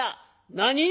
「何？